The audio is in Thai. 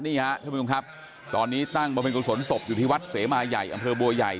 นี่ครับท่านผู้ชมครับตอนนี้นั่งมาเป็นกุศลศพอยู่ที่วัดเสมายัยอำเภอบัวใหญ่